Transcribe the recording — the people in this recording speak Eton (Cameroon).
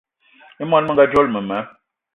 I món menga dzolo mema